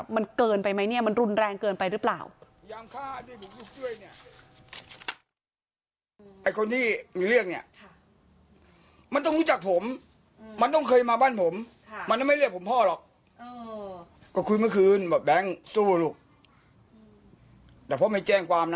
มันเกินไปไหมเนี่ยมันรุนแรงเกินไปหรือเปล่า